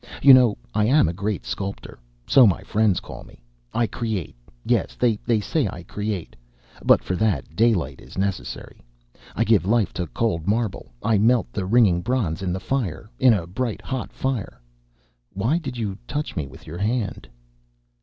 You know I am a great sculptor... so my friends call me. I create, yes, they say I create, but for that daylight is necessary. I give life to cold marble. I melt the ringing bronze in the fire, in a bright, hot fire. Why did you touch me with your hand?"